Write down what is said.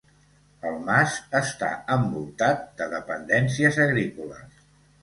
El mas està envoltat de dependències agrícoles.